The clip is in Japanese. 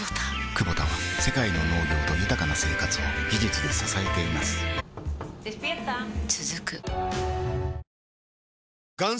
クボタは世界の農業と豊かな生活を技術で支えています起きて。